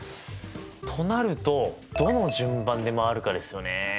となるとどの順番で周るかですよね。